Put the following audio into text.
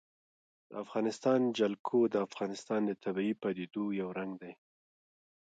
د افغانستان جلکو د افغانستان د طبیعي پدیدو یو رنګ دی.